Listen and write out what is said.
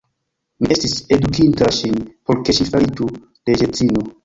Mi estis edukinta ŝin, por ke ŝi fariĝu reĝedzino.